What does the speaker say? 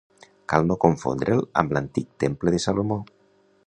Cal no confondre'l amb l'antic Temple de Salomó.